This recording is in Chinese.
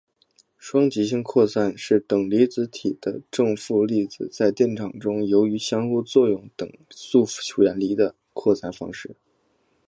双极性扩散是等离子体的正负粒子在电场中由于相互作用等速远离的扩散方式。